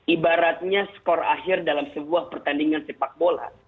ibaratnya skor akhir dalam sebuah pertandingan sepak bola